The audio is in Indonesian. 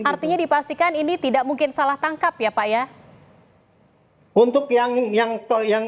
artinya dipastikan ini tidak mungkin salah tangkap ya pak ya